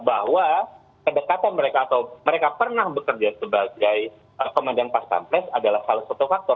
bahwa kedekatan mereka atau mereka pernah bekerja sebagai komandan pas pampres adalah salah satu faktor